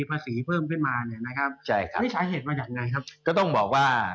เพราะแชร์เหตุว่าอย่างไร